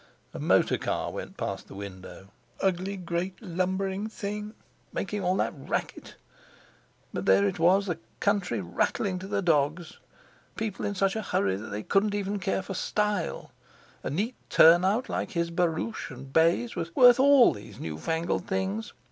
A motor car went past the window. Ugly great lumbering thing, making all that racket! But there it was, the country rattling to the dogs! People in such a hurry that they couldn't even care for style—a neat turnout like his barouche and bays was worth all those new fangled things.